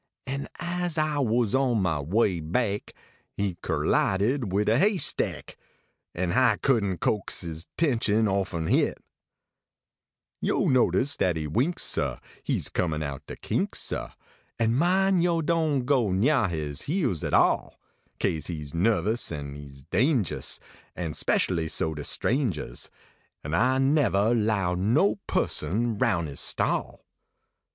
An as I was on mah way baik, He kerlided wid a hay stack, An hi couldn t coax is tenshun offen hit. Yo notice dat he winks, sah, He s comin out de kinks, sah ; An mine yo doan go nyah his heels at all, Kase e s nuhvas an e s dangus, An speshly so to strangers, An hi nevah low no ])iisson roun is stall.